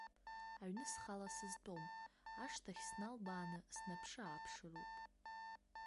Аҩны схала сызтәом, ашҭахь сналбааны снаԥшы-ааԥшыроуп.